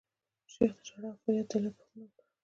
شیخ د ژړا او فریاد د علت پوښتنه وکړه.